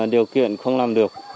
điều kiện không làm được